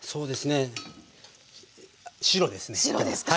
白ですか！